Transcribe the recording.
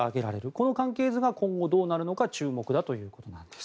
この関係図が今後どうなるのか注目だということなんです。